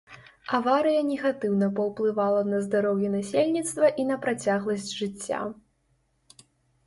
Аварыя негатыўна паўплывала на здароўе насельніцтва і на працягласць жыцця.